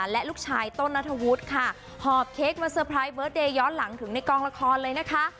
และลูกชายต้นนัทวุฒิค่ะหอบเค้กมาเตอร์ไพรส์เบิร์ตเดย์ย้อนหลังถึงในกองละครเลยนะคะ